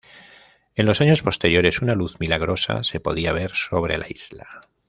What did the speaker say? En los años posteriores una luz milagrosa se podía ver sobre la isla.